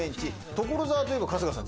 所沢といえば春日さん